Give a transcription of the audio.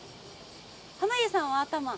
濱家さんは頭。